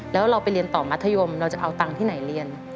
แล้วเราไปเรียนต่อมัธยมเราจะเอาตังค์ที่ไหนเรียน